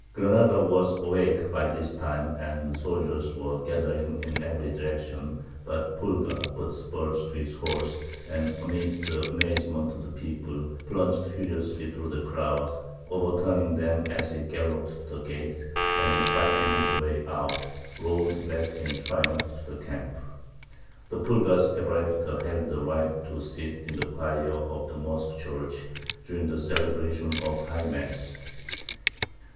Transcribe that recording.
Granada was awake by this time, and soldiers were gathering in every direction; but Pulgar put spurs to his horse, and, amid the amazement of the people, plunged furiously through the crowd, overturning them as he galloped to the gate, and, fighting his way out, rode back in triumph to the camp. The Pulgars ever after held the right to sit in the choir of the mosque church during the celebration of High Mass.